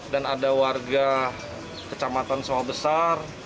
dan ada warga kecamatan sawah besar